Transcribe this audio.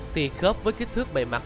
thì khớp với kích thước bề mặt